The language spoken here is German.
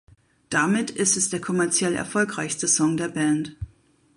Damit ist es der kommerziell erfolgreichste Song der Band.